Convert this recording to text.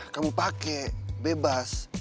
kamu pake bebas